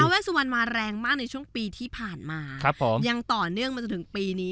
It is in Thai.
เวสุวรรณมาแรงมากในช่วงปีที่ผ่านมายังต่อเนื่องมาจนถึงปีนี้